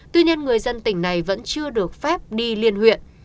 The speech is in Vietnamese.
tuy nhiên người dân tỉnh này vẫn chưa được phép đi liên huyện